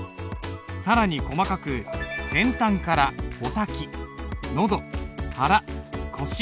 更に細かく先端から穂先のど腹腰と呼ばれる。